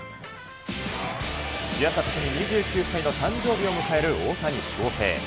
しあさってに２９歳の誕生日を迎える大谷翔平。